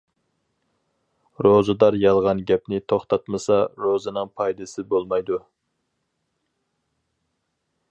روزىدار يالغان گەپنى توختاتمىسا، روزىنىڭ پايدىسى بولمايدۇ.